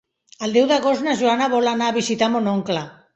El deu d'agost na Joana vol anar a visitar mon oncle.